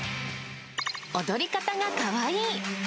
踊り方がかわいい。